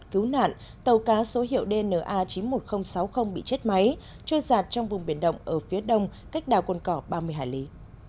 cứu nạn tàu cá số hiệu dna chín mươi một nghìn sáu mươi bị chết máy trôi giạt trong vùng biển động ở phía đông cách đảo cồn cỏ ba mươi hải lý